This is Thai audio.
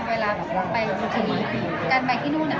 เวลาไปที่การไปที่นู่น